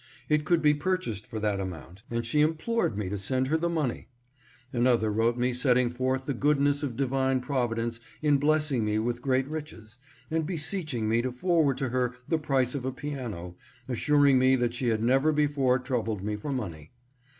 It could be purchased for that amount, and she implored me to send her the money. Another wrote me setting forth the goodness of divine providence in blessing me with great riches, and beseeching me to forward to her the price of a piano, assuring me that she had never before troubled me for money.